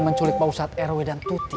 jelaskan hai wai